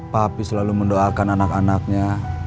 papi selalu mendoakan anak anaknya